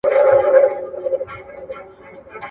د رندانو په محفل کي د مستۍ په انجمن کي !.